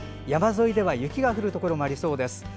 山沿いでは雪が降るところもありそうです。